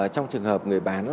trong trường hợp người bán